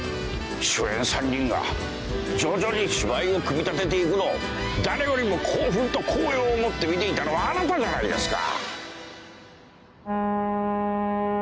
主演３人が徐々に芝居を組み立てていくのを誰よりも興奮と高揚を持って見ていたのはあなたじゃないですか。